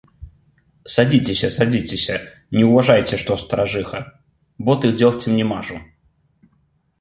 Садзіцеся, садзіцеся, не ўважайце, што старажыха, боты дзёгцем не мажу.